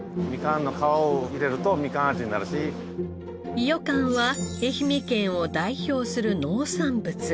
伊予柑は愛媛県を代表する農産物。